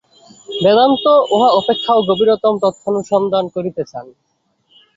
বেদান্ত উহা অপেক্ষাও গভীরতম তত্ত্বানুসন্ধান করিতে চান।